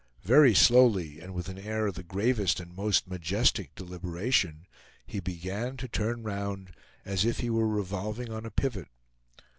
Very slowly, and with an air of the gravest and most majestic deliberation, he began to turn round, as if he were revolving on a pivot.